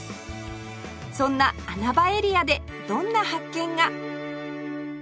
そんな穴場エリアでどんな発見が？